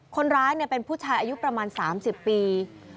คนร้ายเป็นผู้ชายอายุประมาณ๓๐ปี